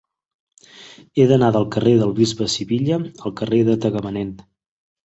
He d'anar del carrer del Bisbe Sivilla al carrer de Tagamanent.